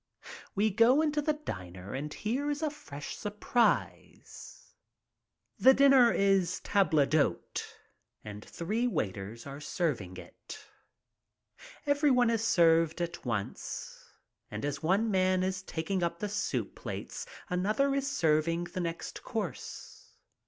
We go into the diner and here is a fresh surprise. The dinner is table d'hote and three waiters are serving it. Every one is served at once, and as one man is taking up the soup plates another is serving the next course.